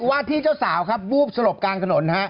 วาดที่เจ้าสาวบูบสลบกลางถนน